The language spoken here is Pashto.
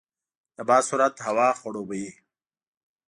د باد سرعت هوا خړوبوي.